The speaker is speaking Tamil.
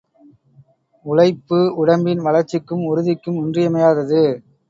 உழைப்பு உடம்பின் வளர்ச்சிக்கும் உறுதிக்கும் இன்றியமையாதது.